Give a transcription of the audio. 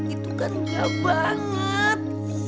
itu kan kagak banget